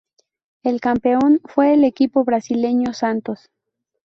El campeón fue el equipo brasileño Santos.